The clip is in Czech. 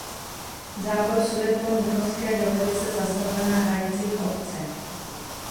Zábor Sudet po Mnichovské dohodě se zastavil na hranicích obce.